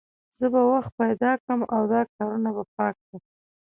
زه به وخت پیدا کړم او دا کارونه به پاک کړم